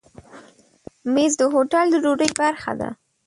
مېز د هوټل د ډوډۍ برخه ده.